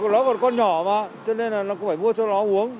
nó còn con nhỏ mà cho nên là nó phải mua cho nó uống